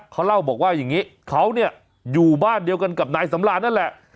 เขาเล่าบอกว่าอย่างนี้เขาเนี่ยอยู่บ้านเดียวกันกับนายสำราญนั่นแหละ